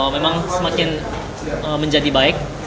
memang semakin menjadi baik